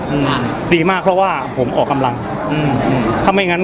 งานดีมากเพราะว่าผมออกกำลังอืมถ้าไม่งั้น